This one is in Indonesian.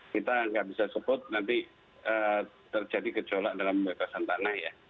kita nggak bisa sebut nanti terjadi gejolak dalam pembebasan tanah ya